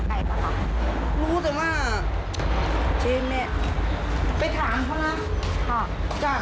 จ้ะมีแน่ใจว่าเขามาจากร้านไหนน่ะ